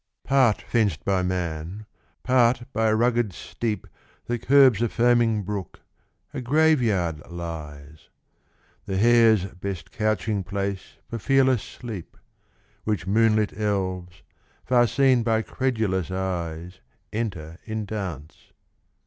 F.] Part fenced by man, part by a rugged steep That curbs a foaming brook, a Grave yard lies; The hare's best couching place for fearless sleep; Which moonlit elves, far seen by credulous eyes, Enter in dance.